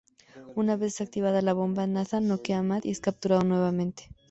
Una vez desactivada la bomba, Nathan noquea a Matt y es capturado nuevamente.